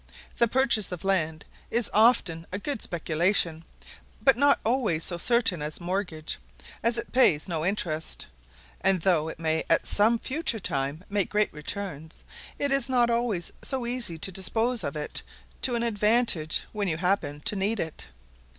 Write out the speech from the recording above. The purchase of land is often a good speculation, but not always so certain as mortgage, as it pays no interest; and though it may at some future time make great returns, it is not always so easy to dispose of it to an advantage when you happen to need it.